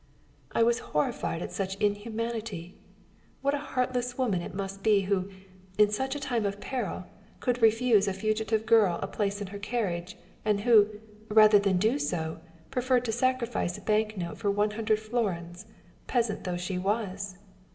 I was horrified at such inhumanity. What a heartless woman it must be who, in such a time of peril, could refuse a fugitive girl a place in her carriage, and who, rather than do so, preferred to sacrifice a bank note for 100 florins, peasant though she was!